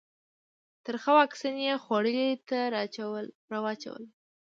ترخه واکسین یې خولې ته راواچول.